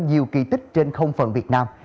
nhiều kỳ tích trên không phần việt nam